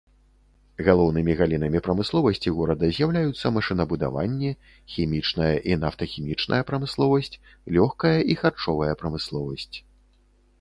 Галоўнымі галінамі прамысловасці горада з'яўляюцца машынабудаванне, хімічная і нафтахімічная прамысловасць, лёгкая і харчовая прамысловасць.